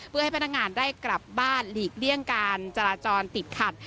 เพื่อให้พนักงานได้กลับบ้านหลีกเลี่ยงการจราจรติดขัด